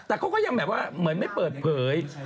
แต่เขาก็ยังแบบว่าเหมือนไม่เปิดเผย